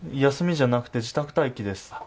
休みじゃなくて自宅待機です。